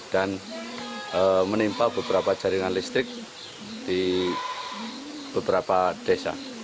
dan menimpa beberapa jaringan listrik di beberapa desa